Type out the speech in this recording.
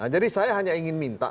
saya hanya ingin minta